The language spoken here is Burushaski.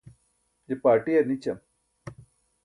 je parṭiyar nićam